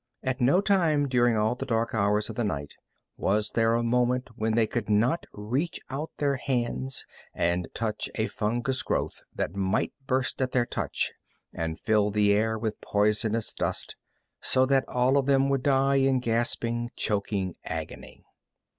At no time during all the dark hours of the night was there a moment when they could not reach out their hands and touch a fungus growth that might burst at their touch and fill the air with poisonous dust, so that all of them would die in gasping, choking agony.